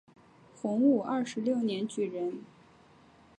洪武二十六年举人。